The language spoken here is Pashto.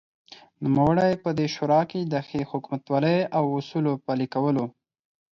نوموړی په دې شورا کې دښې حکومتولۍ او اصولو پلې کولو